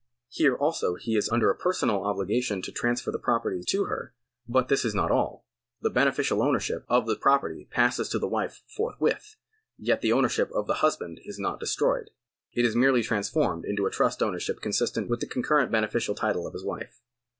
Here also he is under a personal obligation to transfer the property to her, but this is not all. The beneficial ownership of the 230 OWNERSHIP [§ 90 property passes to the wife forthwith, yet the ownership of the husband is not destroyed. It is merely transformed into a trust ownership consistent with the concurrent bene ficial title of his wife.